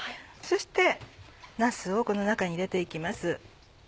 そしてなすをこの中に入れて行きます。